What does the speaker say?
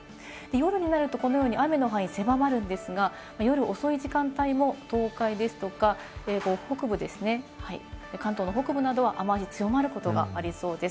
夜になるとこのように雨の範囲、狭まるんですが、夜遅い時間帯も東海ですとか北部ですね、はい、関東の北部などは雨脚強まることがありそうです。